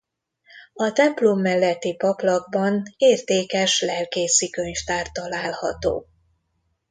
A templom melletti paplakban értékes lelkészi könyvtár található.